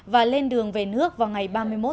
và lên đường về nước vào ngày ba mươi một